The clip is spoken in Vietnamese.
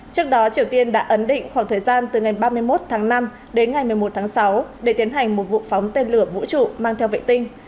trước đó triều tiên đã ấn định khoảng thời gian từ ngày ba mươi một tháng năm đến ngày một mươi một tháng sáu để tiến hành một vụ phóng tên lửa vũ trụ mang theo vệ tinh